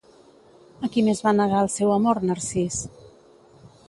A qui més va negar el seu amor Narcís?